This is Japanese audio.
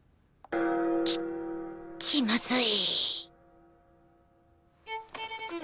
きっ気まずい！